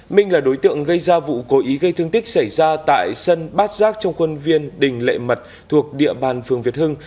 minh là đối tượng gây ra vụ cố ý gây thương tích xảy ra tại sân bát giác trong quân viên đình lệ mật thuộc địa bàn phường việt hưng